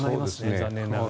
残念ながら。